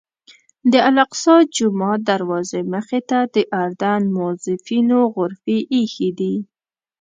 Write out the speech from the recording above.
د الاقصی جومات دروازې مخې ته د اردن موظفینو غرفې ایښي دي.